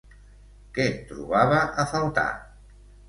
Què trobava a faltar?